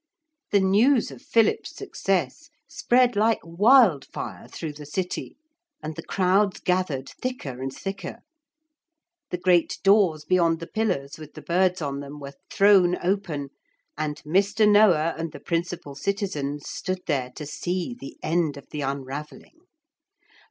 The news of Philip's success spread like wild fire through the city, and the crowds gathered thicker and thicker. The great doors beyond the pillars with the birds on them were thrown open, and Mr. Noah and the principal citizens stood there to see the end of the unravelling.